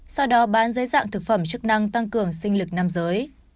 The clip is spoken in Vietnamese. sau đó bán dưới dạng thực phẩm chức năng tăng cường sinh lực nam giới